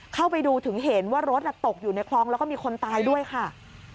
เข้าไปดูถึงเห็นว่ารถตกอยู่ในคลองแล้วก็มีคนตายด้วยค่ะ